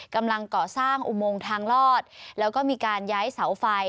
กำลังก่อสร้างอุโมงทางลอดแล้วก็มีการย้ายเสาไฟ